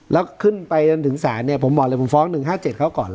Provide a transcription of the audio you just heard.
แล้วขึ้นไปจนถึงศาลเนี่ยผมบอกเลยผมฟ้อง๑๕๗เขาก่อนเลย